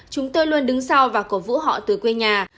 chúng tôi luôn đứng sau và cổ vũ họ từ quê nhà